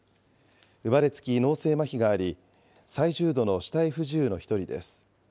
生まれつき脳性まひがあり、最重度の肢体不自由の１人です。